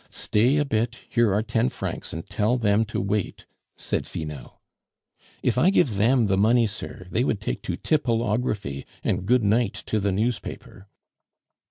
"Stay a bit, here are ten francs, and tell them to wait," said Finot. "If I give them the money, sir, they would take to tippleography, and good night to the newspaper."